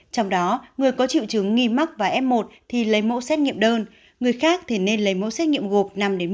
trong đó người có triệu chứng nghi mắc và f một thì lấy mẫu xét nghiệm đơn người khác thì nên lấy mẫu xét nghiệm gộp năm một mươi